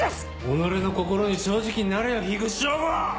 己の心に正直になれよ口彰吾！